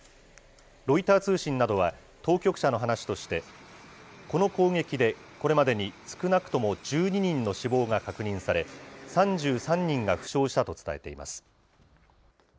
ロイター通信などは、当局者の話として、この攻撃で、これまでに少なくとも１２人の死亡が確認され、３３人が負傷したと伝えています。